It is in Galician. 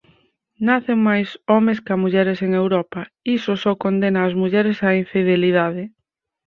Nacen máis homes ca mulleres en Europa; iso só condena ás mulleres á infidelidade.